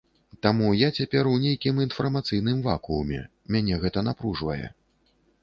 Таму я цяпер у нейкім інфармацыйным вакууме, мяне гэта напружвае.